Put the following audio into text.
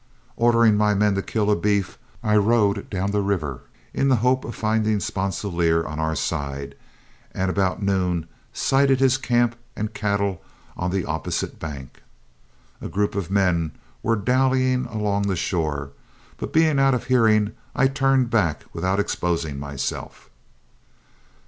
Ordering my men to kill a beef, I rode down the river in the hope of finding Sponsilier on our side, and about noon sighted his camp and cattle on the opposite bank. A group of men were dallying along the shore, but being out of hearing, I turned back without exposing myself.